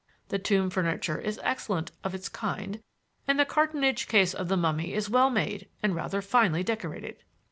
The tomb furniture is excellent of its kind and the cartonnage case of the mummy is well made and rather finely decorated."